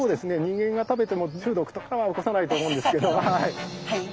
人間が食べても中毒とかは起こさないと思うんですけどはい。